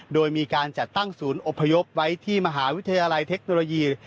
โดยมีการจัดตั้งศูนย์อพยพไว้ที่มหาวิทยาลัยเทคโนโลยี